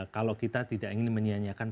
kalau kita tidak ingin menyianyiakan